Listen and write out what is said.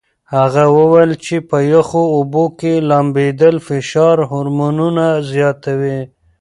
هغه وویل چې په یخو اوبو کې لامبېدل فشار هورمونونه زیاتوي.